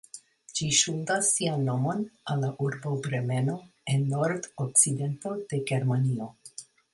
Ĝi ŝuldas sian nomon al la urbo Bremeno en nordokcidento de Germanio.